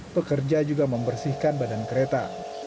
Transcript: pekerja juga membersihkan badan kereta